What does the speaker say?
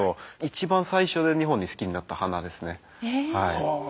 一番最初日本で好きになった花ですね。